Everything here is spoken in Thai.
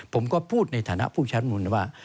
ผมก็พูดในฐานะผู้ใช้รัฐธรรมนุมนะว่า